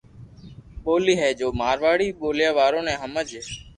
ڀولي ھي جو مارواڙي ٻوليا وارو ني ھمج